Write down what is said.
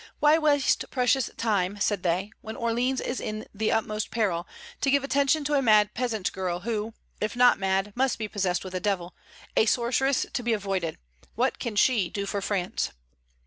"Why waste precious time," said they, "when Orleans is in the utmost peril, to give attention to a mad peasant girl, who, if not mad, must be possessed with a devil: a sorceress to be avoided; what can she do for France?"